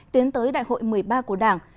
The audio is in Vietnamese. tiến tới đại hội một mươi ba của đảng